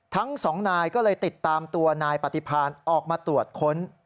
ทั้งสองนายก็เลยติดตามตัวนายปฏิพานออกมาตรวจค้น